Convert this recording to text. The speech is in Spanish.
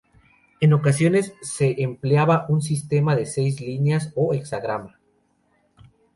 En ocasiones, se empleaba un sistema de seis líneas o hexagrama.